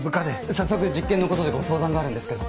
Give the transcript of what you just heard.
早速実験のことでご相談があるんですけど。